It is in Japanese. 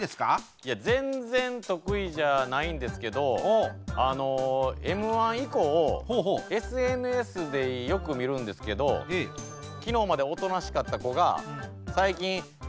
いや全然得意じゃないんですけどＭ−１以降ＳＮＳでよく見るんですけど昨日までおとなしかった子が最近いきなり「何や！」